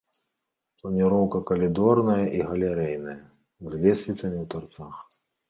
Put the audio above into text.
Планіроўка калідорная і галерэйная, з лесвіцамі ў тарцах.